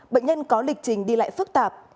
bệnh nhân có lịch trình đi lại phức tạp